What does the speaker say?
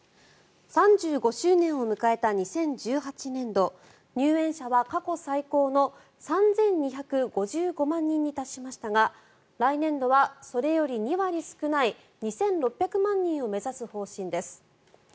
３５周年を迎えた２０１８年度入園者は過去最高の３２５５万人に達しましたが来年度はそれより２割少ない２６００万人を目指す方針です。